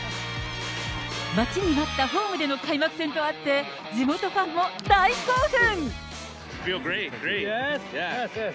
待ちに待ったホームでの開幕戦とあって、地元ファンも大興奮。